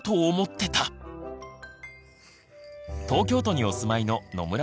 東京都にお住まいの野村さん。